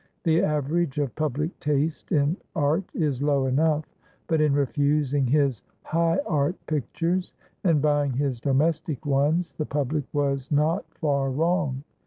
The average of public taste in art is low enough, but in refusing his "high art" pictures, and buying his domestic ones, the public was not far wrong.